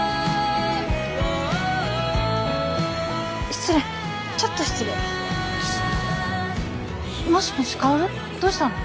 失礼ちょっと失礼もしもし薫どうしたの？